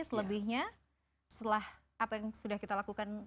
selebihnya setelah apa yang sudah kita lakukan